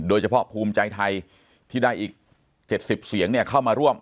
โดยเฉพาะภูมิใจไทยที่ได้อีก๗๐เสียงเข้ามาร่วม